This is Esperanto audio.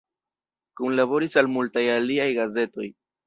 Kunlaboris al multaj aliaj gazetoj.